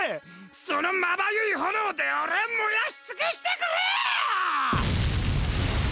その眩い炎で俺を燃やし尽くしてくれよ！